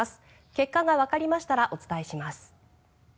結果がわかりましたらお伝えします。